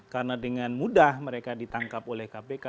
karena dengan mudah mereka ditangkap oleh kpk